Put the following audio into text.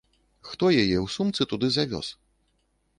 Хто яе ў сумцы туды завёз?